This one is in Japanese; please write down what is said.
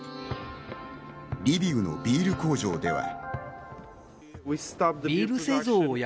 リビウのビール工場では。